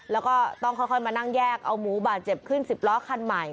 แล้วก็ต้องค่อยมานั่งแยกเอาหมูบาดเจ็บขึ้น๑๐ล้อคันใหม่